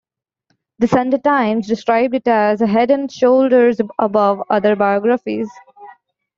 "The Sunday Times" described it as "head and shoulders above" other biographies.